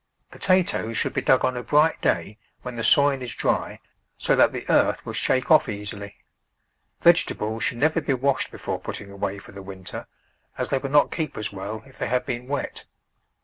Potatoes should be dug on a bright day, when the soil is dry, so that the earth will shake off easily. Vegetables should never be washed before putting away for the winter, as they will not keep as well if they have been wet.